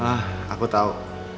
ah aku tau